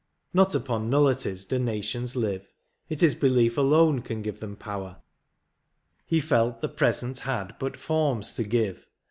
Not upon nullities do nations live. It is belief alone can give them power ; He felt the present had but forms to give.